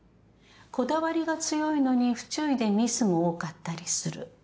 こだわりが強いのに不注意でミスも多かったりする。